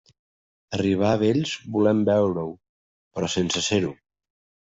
Arribar a vells volem veure-ho, però sense ser-ho.